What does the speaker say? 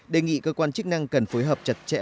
đề nghị cơ quan chức năng cần phối hợp chặt chẽ